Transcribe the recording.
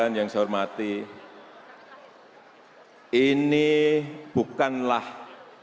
indonesia yang mampu menjaga mengamankan bangsa dan negara dalam dunia yang semakin mudah